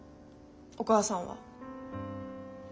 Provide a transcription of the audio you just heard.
お母さんは。